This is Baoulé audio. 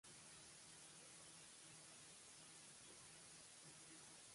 Klɔʼn ti dĩn kɛ like kwlaa kɔ kpaʼn.